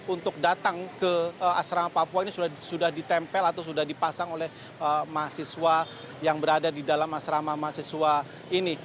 untuk datang ke asrama papua ini sudah ditempel atau sudah dipasang oleh mahasiswa yang berada di dalam asrama mahasiswa ini